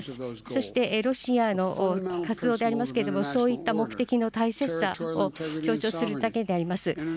そしてロシアの活動でありますけれども、そういった目的の大切さを強調するだけであります。